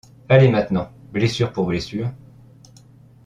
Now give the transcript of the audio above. Allez maintenant, blessure pour blessure ?